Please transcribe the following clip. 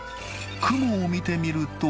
雲を見てみると。